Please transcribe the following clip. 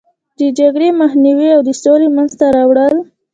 د جګړې مخنیوی او د سولې منځته راوړل.